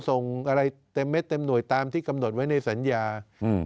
ส่งอะไรเต็มเม็ดเต็มหน่วยตามที่กำหนดไว้ในสัญญาอืม